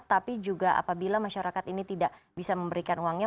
tapi juga apabila masyarakat ini tidak bisa memberikan uangnya